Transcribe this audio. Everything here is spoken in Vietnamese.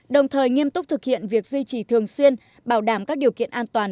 đồng thời nghiêm túc thực hiện việc duy trì thường xuyên bảo đảm các điều kiện an toàn